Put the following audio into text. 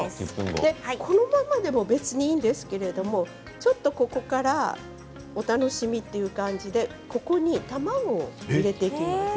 このままでも別にいいんですけどちょっとここからお楽しみという感じでここに卵を入れていくんです。